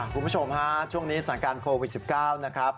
คุณผู้ชมฮะช่วงนี้สถานการณ์โควิด๑๙นะครับ